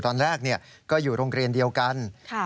ตอนแรกก็อยู่โรงเรียนเดียวกัน